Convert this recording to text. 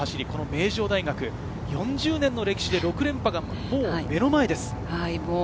名城大学、４０年の歴史で６連覇がもう目の前です。